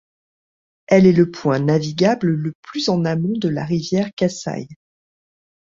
Elle est le point navigable le plus en amont de la rivière Kasaï.